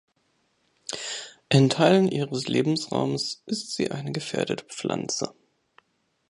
In Teilen ihres Lebensraumes ist sie eine gefährdete Pflanze.